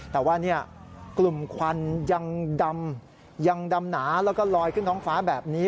แต่ว่ากลุ่มควันยังดำยังดำหนาแล้วก็ลอยขึ้นท้องฟ้าแบบนี้